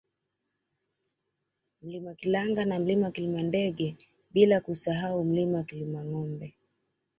Mlima Kilanga na Mlima Kilimandege bila kusahau Mlima Kilimangombe